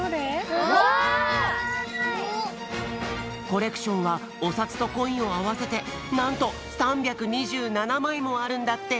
コレクションはおさつとコインをあわせてなんと３２７まいもあるんだって！